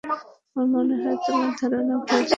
আমার মনে হয় তোমার ধারণা ভুল ছিল।